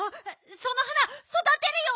その花そだてるよ！